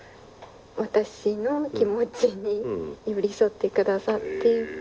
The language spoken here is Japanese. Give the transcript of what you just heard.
私の気持ちに寄り添ってくださって。